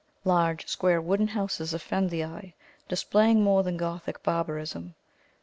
Large square wooden houses offend the eye, displaying more than Gothic barbarism.